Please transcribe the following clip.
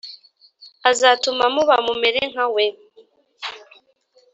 Azatuma muba mumere nkawe